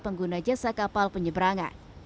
pengguna jasa kapal penyeberangan